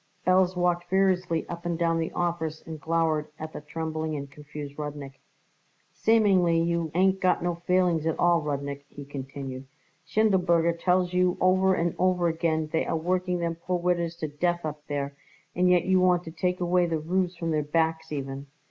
Belz walked furiously up and down the office and glowered at the trembling and confused Rudnik. "Seemingly you ain't got no feelings at all, Rudnik," he continued. "Schindelberger tells you over and over again they are working them poor widders to death up there, and yet you want to take away the roofs from their backs even."